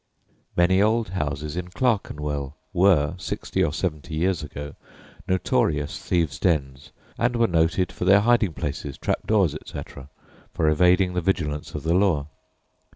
Many old houses in Clerkenwell were, sixty or seventy years ago, notorious thieves' dens, and were noted for their hiding places, trap doors, etc., for evading the vigilance of the law.